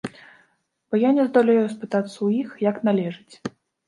Бо я не здолею спытацца ў іх, як належыць.